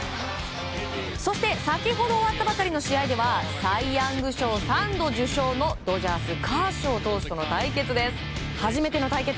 そして先ほど終わったばかりの試合ではサイ・ヤング賞３度受賞のドジャースカーショー投手との対決。